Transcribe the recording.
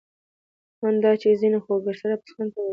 آن دا چي ځيني خو ګرسره پسخند په وهي.